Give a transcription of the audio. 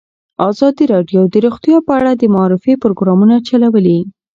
ازادي راډیو د روغتیا په اړه د معارفې پروګرامونه چلولي.